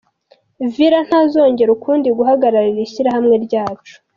"Villar ntazongera ukundi guhagararira ishyirahamwe ryacu".